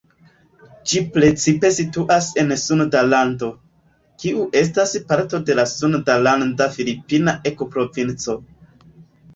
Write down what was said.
Ĝi precipe situas en Sunda Lando, kiu estas parto de la sundalanda-filipina ekoprovinco.